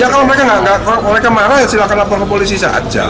ya kalau mereka marah silahkan laporkan ke polisi saja